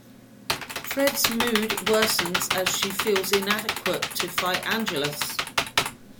Fred's mood worsens as she feels inadequate to fight Angelus.